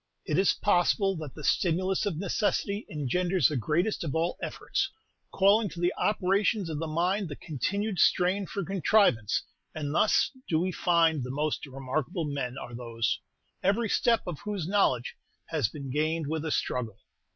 It is possible that the stimulus of necessity engenders the greatest of all efforts, calling to the operations of the mind the continued strain for contrivance; and thus do we find the most remarkable men are those, every step of whose knowledge has been gained with a struggle."